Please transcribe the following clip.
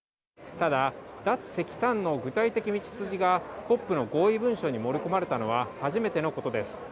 ただ、脱石炭の具体的道筋がＣＯＰの合意文書に盛り込まれたのは、初めてのことです。